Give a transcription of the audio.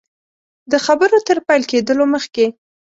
د خبرو تر پیل کېدلو مخکي.